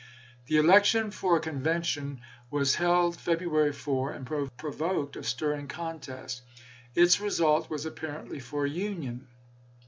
The election for a convention was held February 4, and provoked a stirring contest. Its result was lsei. apparently for union